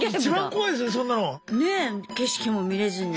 ねえ景色も見れずに。